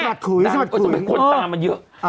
ดังมันเป็นคนตามมาเยอะ